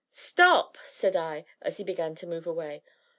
"Stop!" said I, as he began to move away.